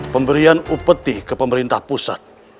pemberian upeti ke pemerintah pusat